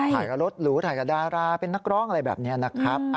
ถ่ายกับรถหรูถ่ายกับดาราเป็นนักร้องอะไรแบบนี้นะครับ